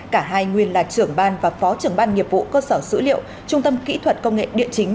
cả hai nguyên là trưởng ban và phó trưởng ban nghiệp vụ cơ sở dữ liệu trung tâm kỹ thuật công nghệ địa chính